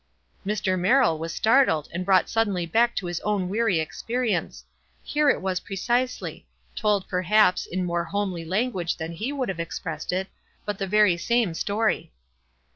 Mr. Merrill was startled, and brought sud denly back to his own weary experience. Here it was precisely — told, perhaps, in more home ly language than he would have expressed it, but the very same story.